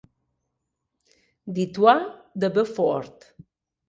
Du Toit de Beaufort.